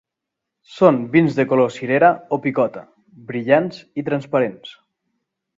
Són vins de color cirera o picota, brillants i transparents.